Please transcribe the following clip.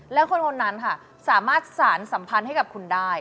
แล้วคนนั้นค่ะสามารถสารสัมพันธ์ให้กับคุณได้